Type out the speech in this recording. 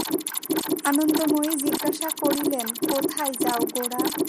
আনন্দময়ী জিজ্ঞাসা করিলেন, কোথায় যাও গোরা?